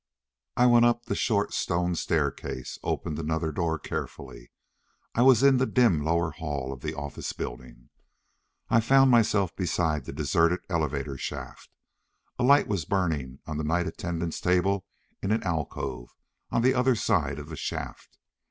I went up the short stone staircase, opened another door carefully. I was in the dim lower hall of the office building. I found myself beside the deserted elevator shaft. A light was burning on the night attendant's table in an alcove, on the other side of the shaft.